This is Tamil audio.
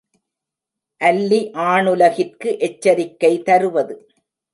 அல்லி ஆணுலகிற்கு எச்சரிக்கை தருவது.